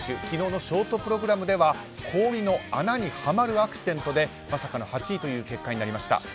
昨日のショートプログラムでは氷の穴にはまるアクシデントでまさかの８位という結果になりました。